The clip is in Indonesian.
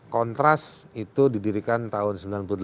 kontras itu didirikan tahun seribu sembilan ratus sembilan puluh delapan